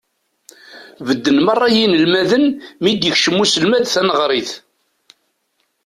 Bedden merra yinelmaden mi d-yekcem uselmad taneɣrit.